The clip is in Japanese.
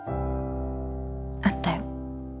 あったよ。